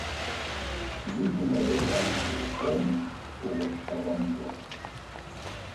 جلّ ما يفعله توم هو التذمر.